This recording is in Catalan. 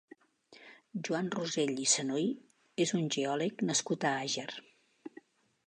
Joan Rosell i Sanuy és un geòleg nascut a Àger.